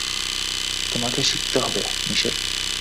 তোমাকে শিখতে হবে, মিশেল।